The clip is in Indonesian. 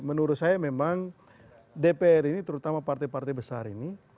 menurut saya memang dpr ini terutama partai partai besar ini